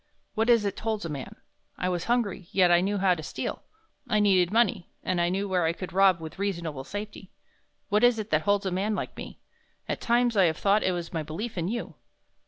What is it holds a man? I was hungry, yet I knew how to steal; I needed money, and I knew where I could rob with reasonable safety. What is it holds a man like me? At times I have thought it was my belief in you."